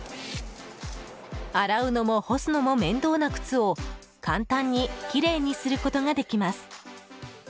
洗うのも干すのも面倒な靴を簡単にきれいにすることができます。